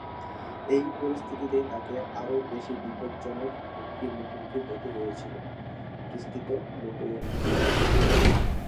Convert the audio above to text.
এই পরিস্থিতিতে তাকে আরও বেশি বিপজ্জনক হুমকির মুখোমুখি হতে হয়েছিল, বিস্তৃত মঙ্গোলরা।